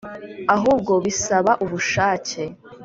ahubwo bisaba ubushake,